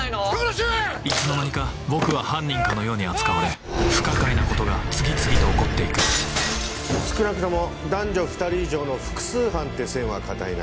いつの間にか僕は犯人かのように扱われ不可解なことが次々と起こって行く少なくとも男女２人以上の複数犯って線は堅いな。